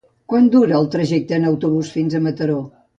Quant dura el trajecte en autobús fins a Mataró?